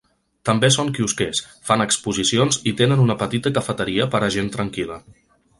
També són quiosquers, fan exposicions i tenen una petita cafeteria per a gent tranquil·la.